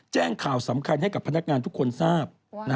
แจ้งข่าวสำคัญให้กับพนักงานทุกคนทราบ